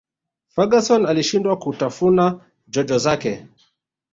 ferguson alishindwa kutafuna jojo zake